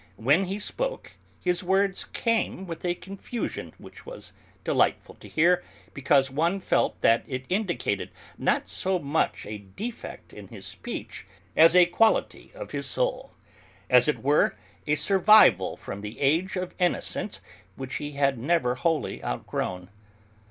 When he spoke, his words came with a confusion which was delightful to hear because one felt that it indicated not so much a defect in his speech as a quality of his soul, as it were a survival from the age of innocence which he had never wholly outgrown.